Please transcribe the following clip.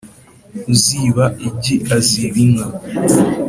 uziba igi aziba inka.